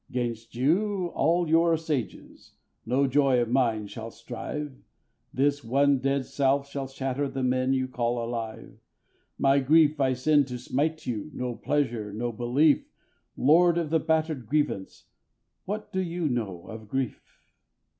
'Gainst you and all your sages, no joy of mine shall strive, This one dead self shall shatter the men you call alive. My grief I send to smite you, no pleasure, no belief, Lord of the battered grievance, what do you know of grief?